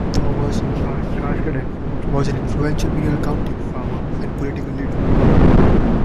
Thomas R. Carskadon was an influential Mineral County farmer and political leader.